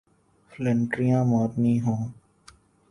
فلنٹریاں مارنی ہوں۔